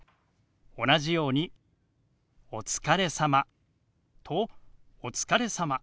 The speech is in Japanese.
同じように「おつかれさま」と「おつかれさま」。